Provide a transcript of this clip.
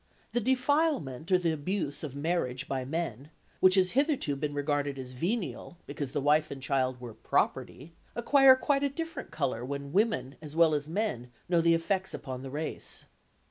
The defilement or the abuse of marriage by men, which has hitherto been regarded as venial, because the wife and child were property, acquire quite a different colour when women as well as men know the effects upon the race.